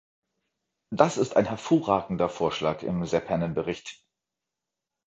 Das ist ein hervorragender Vorschlag im Seppänen-Bericht.